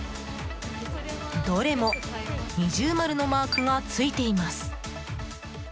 どれも二重丸のマークがついています。